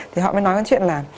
thì họ mới nói con chuyện là